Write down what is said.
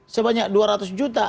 sebanyak dua ratus juta